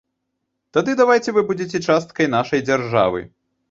Тады давайце вы будзеце часткай нашай дзяржавы.